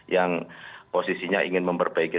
yang posisinya ingin memperbaiki